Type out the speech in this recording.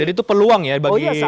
jadi itu peluang ya bagi kita oh iya